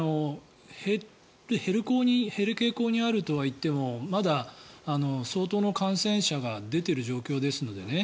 減る傾向にあるとはいってもまだ相当の感染者が出てる状況ですのでね。